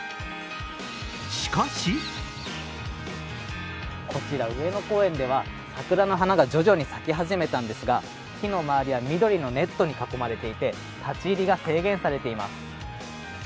しかしこちら上野公園では桜の花が徐々に咲き始めたんですが木の周りは緑のネットに囲まれていて立ち入りが制限されています。